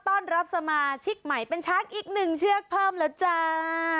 ต้อนรับสมาชิกใหม่เป็นช้างอีกหนึ่งเชือกเพิ่มแล้วจ้า